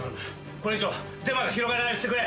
これ以上デマが広がらないようにしてくれ。